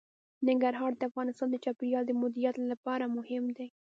ننګرهار د افغانستان د چاپیریال د مدیریت لپاره مهم دي.